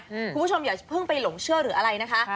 คุณผู้ชมอย่าเพิ่งไปหลงเชื่อหรืออะไรนะคะ